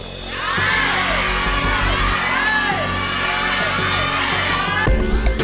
สุภัณฑ์สุดท้าย